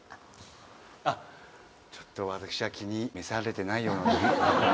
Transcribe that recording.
あっちょっと私は気に召されてないようなので。